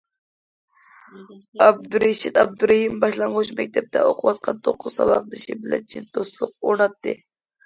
ئابدۇرېشىت ئابدۇرېھىم باشلانغۇچ مەكتەپتە ئوقۇۋاتقاندا توققۇز ساۋاقدىشى بىلەن چىن دوستلۇق ئورناتتى.